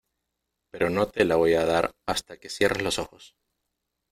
pero no te la voy a dar hasta que cierres los ojos.